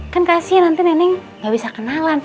kan kasian nanti neneng gak bisa kenalan